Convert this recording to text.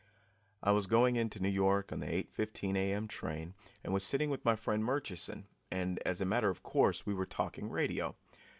I was going in to New York on the 8:15 A.M. train and was sitting with my friend Murchison and, as a matter of course, we were talking radio.